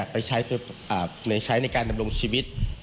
ไปใช้ในการดำรงชีวิต